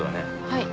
はい。